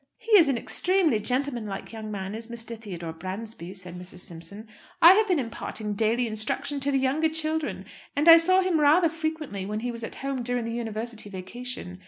"He is an extremely gentleman like young man, is Mr. Theodore Bransby," said Mrs. Simpson. "I have been imparting daily instruction to the younger children, and I saw him rather frequently when he was at home during the University vacation.